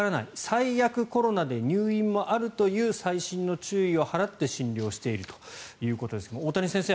最悪、コロナで入院もあるという細心の注意を払って診療しているということですが大谷先生